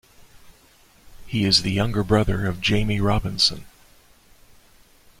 He is the younger brother of Jamie Robinson.